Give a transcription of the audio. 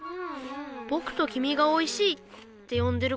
ぼくときみが「おいしい」ってよんでる